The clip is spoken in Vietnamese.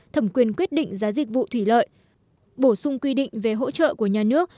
thẩm quyền quyết định giá dịch vụ thủy lợi bổ sung quy định về hỗ trợ của nhà nước